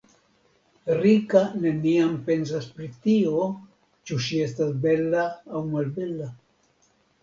Rika neniam pensas pri tio, ĉu ŝi estas bela aŭ melbela.